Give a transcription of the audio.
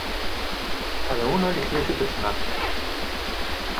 Cada uno eligió su personaje.